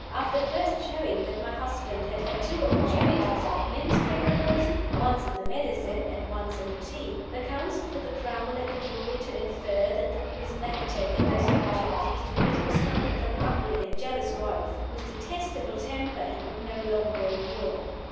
After first showing that my husband had had two opportunities of administering the poison once in the medicine and once in the tea the counsel for the Crown led the jury to infer that the prisoner had taken those opportunities to rid himself of an ugly and jealous wife, whose detestable temper he could no longer endure.